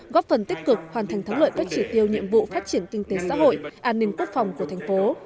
góp phần tích cực hoàn thành thắng lợi các chỉ tiêu nhiệm vụ phát triển kinh tế xã hội an ninh quốc phòng của thành phố